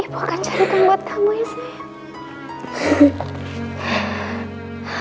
ibu akan cari tempat tamu ya sayang